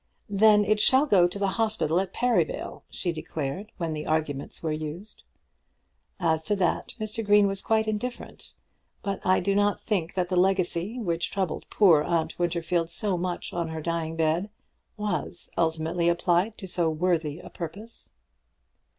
"Then it shall go to the hospital at Perivale," she declared when those arguments were used. As to that, Mr. Green was quite indifferent, but I do not think that the legacy which troubled poor Aunt Winterfield so much on her dying bed was ultimately applied to so worthy a purpose.